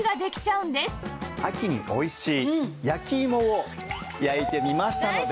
秋においしい焼きいもを焼いてみましたので。